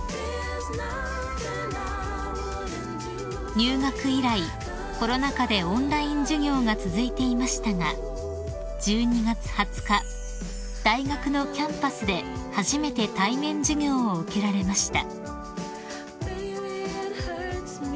［入学以来コロナ禍でオンライン授業が続いていましたが１２月２０日大学のキャンパスで初めて対面授業を受けられました］